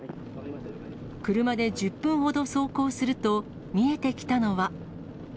車で１０分ほど走行すると、見えてきたのは。